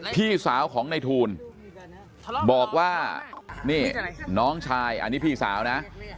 พี่สาวของในทูลบอกว่านี่น้องชายอันนี้พี่สาวนะ